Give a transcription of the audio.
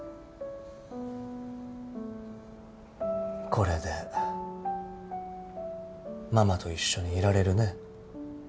これでママと一緒にいられるね。